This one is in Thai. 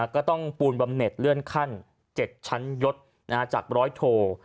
ก็ต้องปูนบำเน็ตเลื่อนขั้น๗ชั้นยศจากร้อยโท